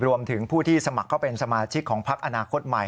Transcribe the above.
รวมถึงผู้ที่สมัครเข้าเป็นสมาชิกของพักอนาคตใหม่